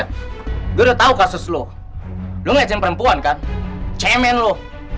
inget udah tahu kasus lu lu ngajin perempuan kan cemen lo